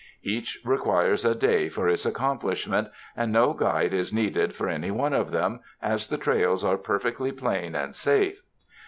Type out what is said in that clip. Each requires a day for its accomplishment, and no guide is needed for any one of them, as the trails are perfectly plain and safe.